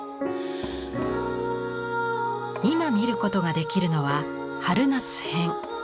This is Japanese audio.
今見ることができるのは春夏編。